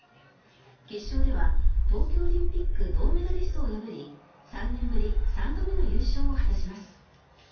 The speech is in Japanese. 決勝では東京オリンピック銅メダリストを破り３年ぶり３度目の優勝を果たします。